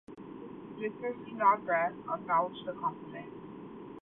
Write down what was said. Mr. Snodgrass acknowledged the compliment.